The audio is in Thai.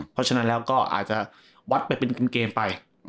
เพราะฉะนั้นแล้วก็อาจจะวัดไปเป็นเกมไป